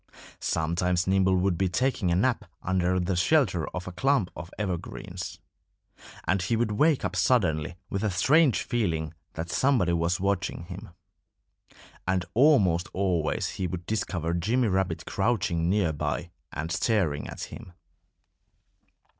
Sometimes Nimble would be taking a nap under the shelter of a clump of evergreens. And he would wake up suddenly with a strange feeling that somebody was watching him. And almost always he would discover Jimmy Rabbit crouching near by and staring at him.